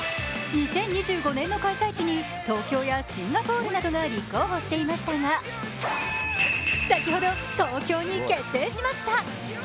２０２５年の開催地に東京やシンガポールなどが立候補していましたが先ほど東京に決定しました。